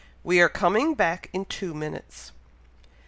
We are coming back in two minutes."